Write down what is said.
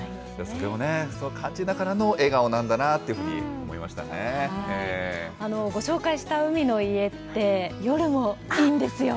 それをね、そう感じながらの笑顔なんだなというふうに思いましたご紹介した海の家って、夜もいいんですよ。